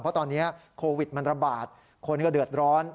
เพราะตอนนี้โควิดมันระบาดคนก็เดือดร้อน